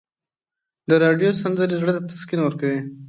د راډیو سندرې زړه ته تسکین ورکوي.